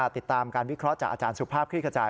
ติดตามการวิเคราะห์จากอาจารย์สุภาพคลิกกระจาย